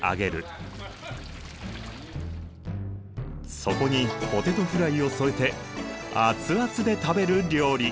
そこにポテトフライを添えて熱々で食べる料理。